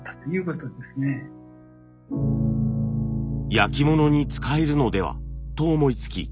「焼き物に使えるのでは」と思いつき